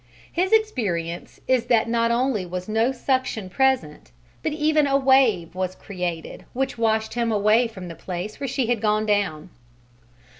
His experience is that not only was no suction present, but even a wave was created which washed him away from the place where she had gone down.